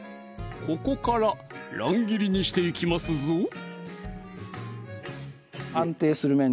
ここから乱切りにしていきますぞ安定する面